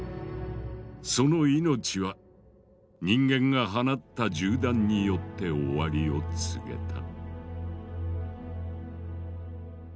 その命は人間が放った銃弾によって終わりを告げた。